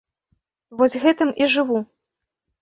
Вось гэтым і жыву.